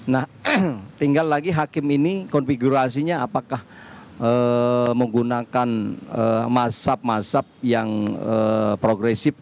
nah tinggal lagi hakim ini konfigurasinya apakah menggunakan massab massab yang progresif